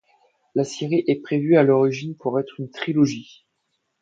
La série est prévue à l'origine pour être une trilogie.